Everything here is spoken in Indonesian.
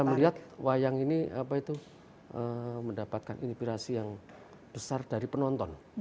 saya melihat wayang ini mendapatkan inspirasi yang besar dari penonton